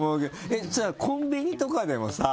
じゃあコンビニとかでもさ